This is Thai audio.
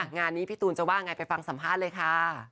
งานนี้พี่ตูนจะว่าง่ายไปฟังสำฮาลเลยค่ะ